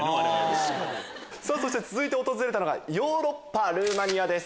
さぁ続いて訪れたのがヨーロッパルーマニアです。